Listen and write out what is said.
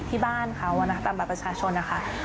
ที่บ้านเขาวันนึกตามแบบประชาชน